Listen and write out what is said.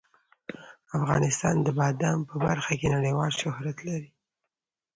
افغانستان د بادام په برخه کې نړیوال شهرت لري.